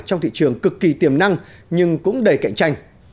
trong thị trường cực kỳ tiềm năng nhưng cũng đầy cạnh tranh